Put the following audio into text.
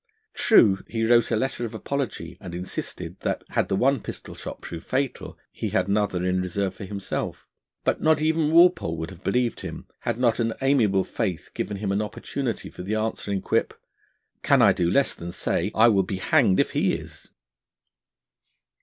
True, he wrote a letter of apology, and insisted that, had the one pistol shot proved fatal, he had another in reserve for himself. But not even Walpole would have believed him, had not an amiable faith given him an opportunity for the answering quip: 'Can I do less than say I will be hanged if he is?'